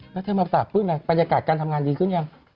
แล้วเธอมาตากปื้นล่ะบรรยากาศการทำงานดีขึ้นหรือยัง